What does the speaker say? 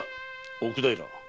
奥平。